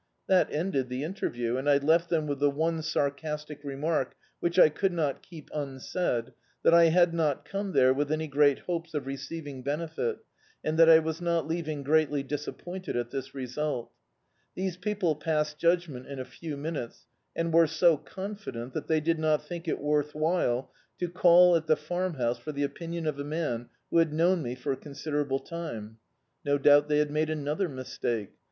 That ended the inter view, and I left them with the one sarcastic remark, which I could not keep unsaid, "that I had not come there with any great hopes of receiving benefit, and that I was not leaving greatly disappointed at this result'* These people passed judgment in a few minutes, and were so confident that they did not think it worth while to call at the Farmhouse for the opinion of a man who had known me for a considera ble time. No doubt they had made another mistake.